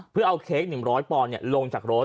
เพื่อเอาเค้ก๑๐๐ปอนด์ลงจากรถ